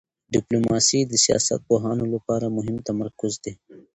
ډیپلوماسي د سیاست پوهانو لپاره مهم تمرکز دی.